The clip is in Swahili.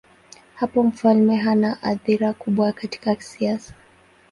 Hapo mfalme hana athira kubwa katika siasa.